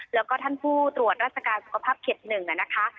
แล้วก็ท่านผู้ตรวจราชการสุขภาพเขต๑นะคะ